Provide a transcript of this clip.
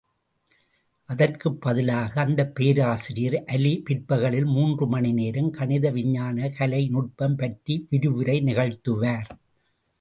அதற்குப் பதிலாக, அந்தப் பேராசிரியர் அலி பிற்பகலில் மூன்று மணிநேரம் கணித விஞ்ஞானக்கலை நுட்பம் பற்றி விரிவுரை நிகழ்த்துவார்.